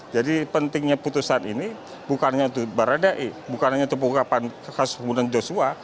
jadi pentingnya putusan ini bukan hanya untuk beradaik bukan hanya untuk pengukapan kekasih pembunuhan joshua